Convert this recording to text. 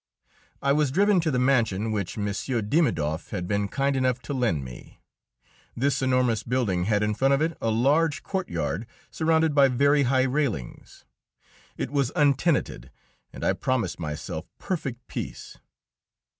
I was driven to the mansion which M. Dimidoff had been kind enough to lend me. This enormous building had in front of it a large courtyard surrounded by very high railings. It was untenanted, and I promised myself perfect peace.